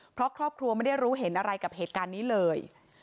เพราะครอบครัวไม่ได้รู้เห็นอะไรกับเหตุการณ์นี้เลย